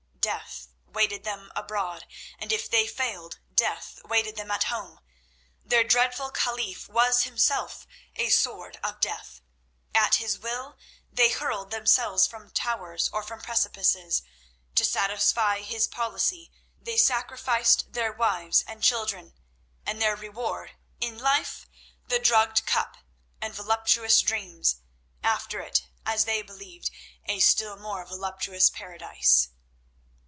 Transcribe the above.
Death waited them abroad, and if they failed, death waited them at home. Their dreadful caliph was himself a sword of death. At his will they hurled themselves from towers or from precipices; to satisfy his policy they sacrificed their wives and children. And their reward—in life, the drugged cup and voluptuous dreams; after it, as they believed, a still more voluptuous paradise.